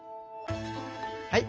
はい。